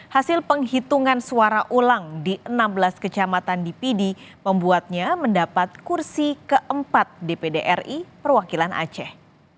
hasil penghitungan suara ulang di enam belas kecamatan di pidi membuatnya mendapat kursi keempat dpd ri perwakilan aceh